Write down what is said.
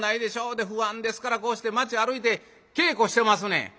で不安ですからこうして街歩いて稽古してますねん」。